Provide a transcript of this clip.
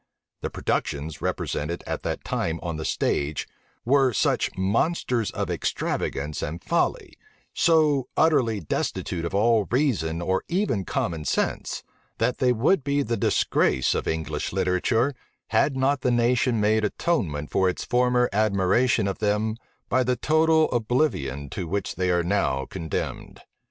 The productions represented at that time on the stage were such monsters of extravagance and folly, so utterly destitute of all reason or even common sense, that they would be the disgrace of English literature, had not the nation made atonement for its former admiration of them by the total oblivion to which they are now condemned.